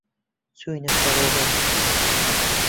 چووینە سەر ڕووبار.